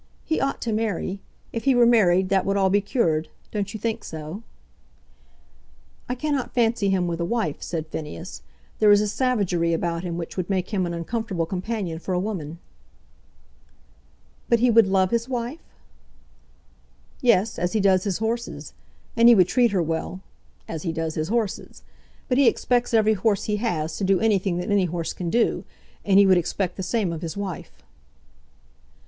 "He ought to marry. If he were married, that would all be cured; don't you think so?" "I cannot fancy him with a wife," said Phineas, "There is a savagery about him which would make him an uncomfortable companion for a woman." "But he would love his wife?" "Yes, as he does his horses. And he would treat her well, as he does his horses. But he expects every horse he has to do anything that any horse can do; and he would expect the same of his wife."